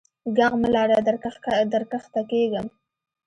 ږغ مه لره در کښته کیږم.